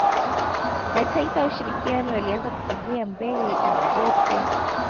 Mataifa ya ushirikiano yalianza kusogea mbele pande zote